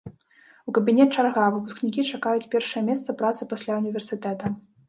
У кабінет чарга, выпускнікі чакаюць першае месца працы пасля ўніверсітэта.